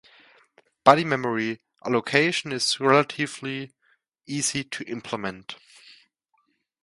Buddy memory allocation is relatively easy to implement.